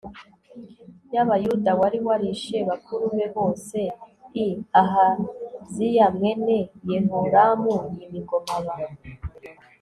y Abayuda wari warishe bakuru be bose l Ahaziya mwene Yehoramu yima ingoma aba